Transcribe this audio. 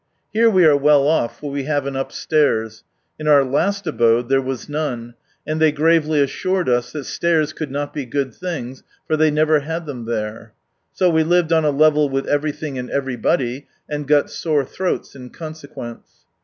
Here we are well off, for we have an upstairs; in our last abode, there was none, and they gravely assured us that "stairs could not be good things," for they never had them there. So we lived on a level with everything and everybody, and got sore throats in consequence.